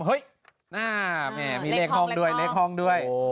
เห้ยมีเลขห้องด้วย